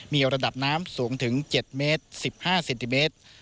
มีระดับน้ำสูงถึง๗เมตร๑๕เซนติเมตร